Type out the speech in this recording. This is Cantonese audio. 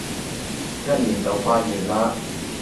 一年就快完嘞